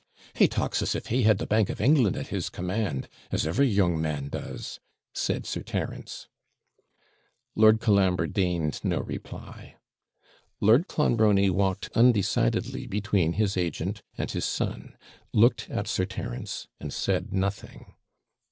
'Wheugh! He talks as if he had the Bank of England at his command, as every young man does,' said Sir Terence. Lord Colambre deigned no reply. Lord Clonbrony walked undecidedly between his agent and his son looked at Sir Terence, and said nothing.